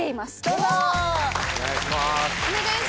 お願いします。